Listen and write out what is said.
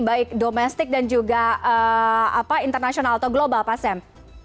baik domestik dan juga internasional atau global pak sam